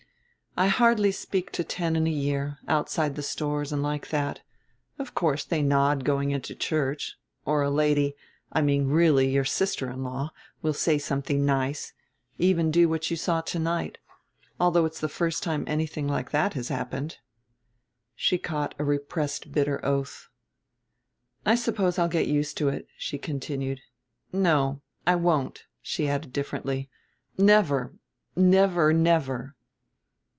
"I hardly speak to ten in a year, outside the stores and like that. Of course they nod going into church, or a lady, I mean really, your sister in law, will say something nice, even do what you saw to night. Though it's the first time anything like that has happened." She caught a repressed bitter oath. "I suppose I'll get used to it," she continued. "No, I won't," she added differently; "never, never, never."